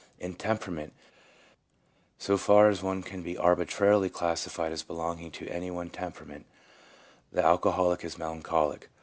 In temperament, so far as one can be arbitrarily classi fied as belonging to any one temperament, the alco holic is melancholic.